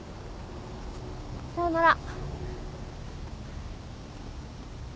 さよなら。